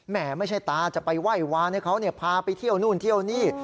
ไม่ใช่ตาจะไปไหว้วานให้เขาพาไปเที่ยวนู่นเที่ยวนี่